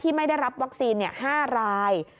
ไม่ได้รับวัคซีน๕ราย